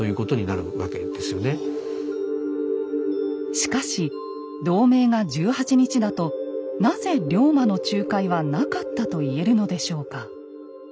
しかし同盟が１８日だとなぜ龍馬の仲介はなかったと言えるのでしょうか？